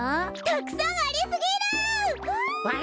たくさんありすぎるわあ！